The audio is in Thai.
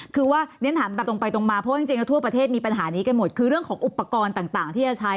คือว่าเรียนถามแบบตรงไปตรงมาเพราะว่าจริงแล้วทั่วประเทศมีปัญหานี้กันหมดคือเรื่องของอุปกรณ์ต่างที่จะใช้